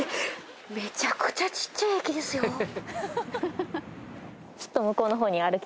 めちゃくちゃちっちゃい駅ですよ。